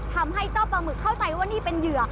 ทำให้เจ้าปลาหมึกเข้าใจว่านี่เป็นเหยื่อ